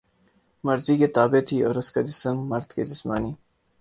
مرضی کے تابع تھی اور اس کا جسم مرد کے جسمانی